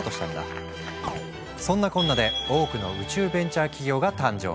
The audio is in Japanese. そんなこんなで多くの宇宙ベンチャー企業が誕生。